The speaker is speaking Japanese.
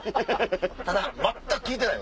ただ全く聞いてない？